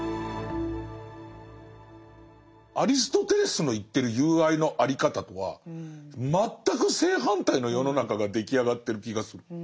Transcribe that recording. アリストテレスの言ってる友愛のあり方とは全く正反対の世の中が出来上がってる気がする。